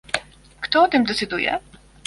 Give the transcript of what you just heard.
kto o tym decyduje?